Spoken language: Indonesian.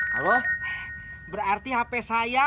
halo berarti hp saya